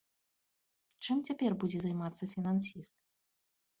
Чым цяпер будзе займацца фінансіст?